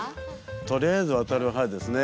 とりあえずわたる派ですね。